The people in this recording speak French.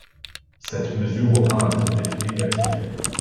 Cette mesure aura un double effet négatif.